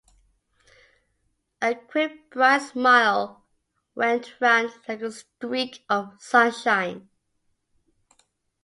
A quick, bright smile went round like a streak of sunshine.